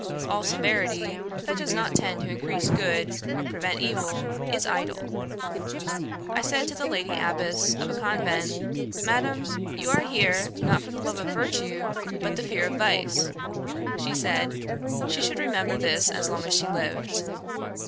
All severity that does not tend to increase good, or prevent evil, is idle. I said to the Lady Abbess of a convent, "Madam, you are here, not for the love of virtue, but the fear of vice." She said, "She should remember this as long as she lived."'